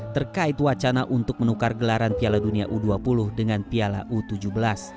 terkait wacana untuk menukar gelaran piala dunia u dua puluh dengan piala u tujuh belas